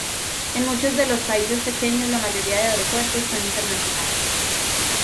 En muchos de los países pequeños la mayoría de aeropuertos son internacionales.